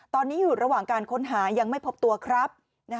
ตอนนี้อยู่ระหว่างการค้นหายังไม่พบตัวครับ